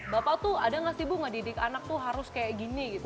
bapak tuh ada gak sih bu ngedidik anak tuh harus kayak gini gitu